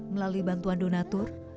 melalui bantuan donatur